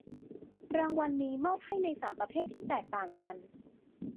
รางวัลนี้มอบให้ในสามประเภทที่แตกต่างกัน